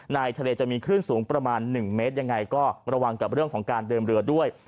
ทะเลจะมีคลื่นสูงประมาณ๑เมตรยังไงก็ระวังกับเรื่องของการเดินเรือด้วย